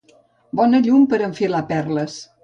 Bona llum per enfilar perles!